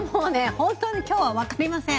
本当に今日はわかりません。